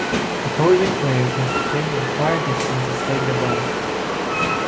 Opposing players must retain the required distance as stated above.